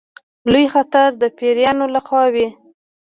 لوی خطر د پیرانو له خوا وي.